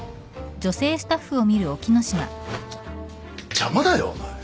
邪魔だよお前。